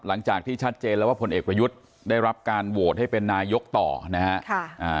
หลังจากที่ชัดเจนแล้วว่าผลเอกประยุทธ์ได้รับการโหวตให้เป็นนายกต่อนะฮะ